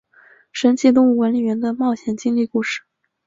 神奇动物管理员的冒险经历故事。